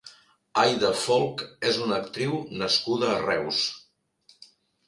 Aida Folch és una actriu nascuda a Reus.